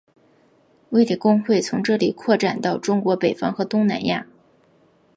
卫理公会从这里扩展到中国北方和东南亚。